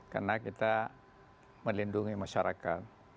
karena kita melindungi masyarakat